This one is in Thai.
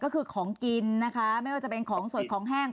ก็คือของกินนะคะไม่ว่าจะเป็นของสดของแห้ง